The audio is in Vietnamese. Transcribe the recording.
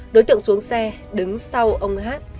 đối tượng xuống xe đứng sau ông hát